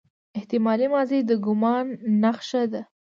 احتمالي ماضي د ګومان نخښه ده.